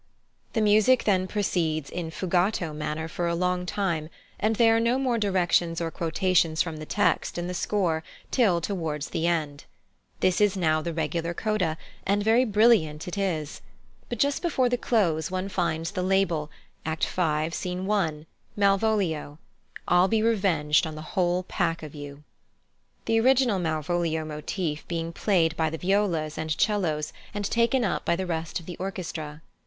The music then proceeds in fugato manner for a long time, and there are no more directions or quotations from the text in the score till towards the end. This is now the regular coda, and very brilliant it is. But just before the close one finds the label, Act v., Scene 1, Malvolio, "I'll be revenged on the whole pack of you"; the original Malvolio motif being played by the violas and 'cellos and taken up by the rest of the orchestra.